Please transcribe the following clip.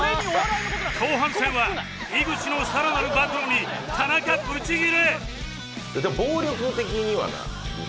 後半戦は井口のさらなる暴露に田中ブチギレ